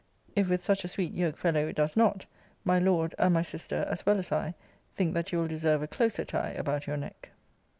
If with such a sweet yoke fellow it does not, my Lord, and my sister, as well as I, think that you will deserve a closer tie about your neck.